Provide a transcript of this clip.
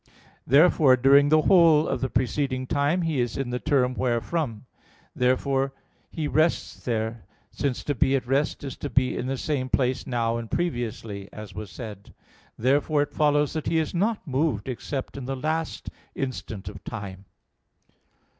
Therefore during the whole of the preceding time he is in the term wherefrom. Therefore he rests there: since to be at rest is to be in the same place now and previously, as was said (A. 2). Therefore it follows that he is not moved except in the last instant of time.